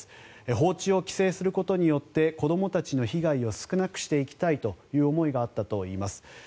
放置を規制することによって子どもたちの被害を少なくしていきたいという思いがあったといいます。